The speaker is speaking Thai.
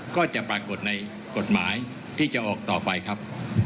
ก็จะปรากฏในกฎหมายที่จะออกต่อไปครับ